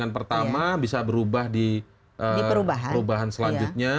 yang pertama bisa berubah di perubahan selanjutnya